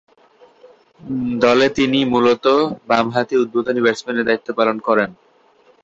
দলে তিনি মূলতঃ বামহাতি উদ্বোধনী ব্যাটসম্যানের দায়িত্ব পালন করেন।